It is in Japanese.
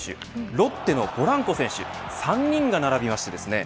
ロッテのポランコ選手３人が並びましてですね。